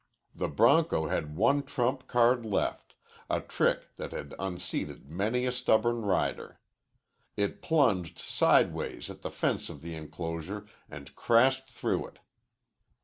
The bronco had one trump card left, a trick that had unseated many a stubborn rider. It plunged sideways at the fence of the enclosure and crashed through it.